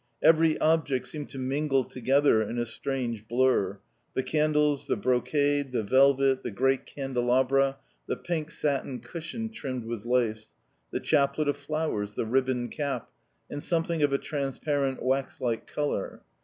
Every object seemed to mingle together in a strange blur the candles, the brocade, the velvet, the great candelabra, the pink satin cushion trimmed with lace, the chaplet of flowers, the ribboned cap, and something of a transparent, wax like colour.